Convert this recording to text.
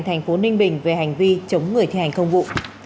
tp ninh bình về hành vi chống người thi hành không vụ